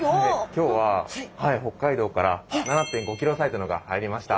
今日は北海道から７．５ｋｇサイズのが入りました。